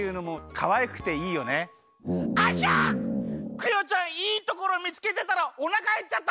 クヨちゃんいいところ見つけてたらおなかへっちゃった！